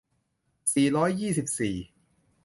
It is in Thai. สี่ร้อยยี่สิบสี่